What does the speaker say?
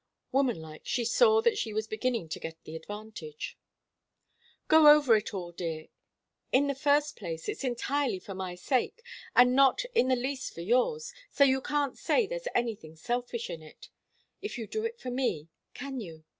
Woman like, she saw that she was beginning to get the advantage. "Go over it all, dear. In the first place, it's entirely for my sake, and not in the least for yours. So you can't say there's anything selfish in it, if you do it for me, can you?